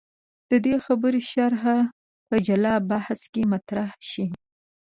د دې خبرې شرحه په جلا بحث کې مطرح شي.